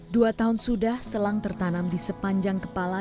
dua tahun sudah selang tertanam di sepanjang kepala